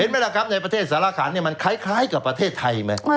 ไหมล่ะครับในประเทศสารขันมันคล้ายกับประเทศไทยไหม